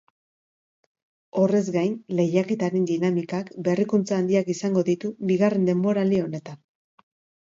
Horrez gain, lehiaketaren dinamikak berrikuntza handiak izango ditu bigarren denboraldi honetan.